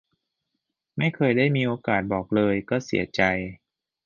ไม่เคยได้มีโอกาสบอกเลย ก็เสียใจ